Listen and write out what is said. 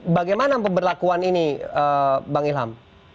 bagaimana pemberlakuan ini bang ilham